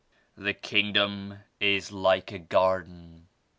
The Kingdom is like a garden.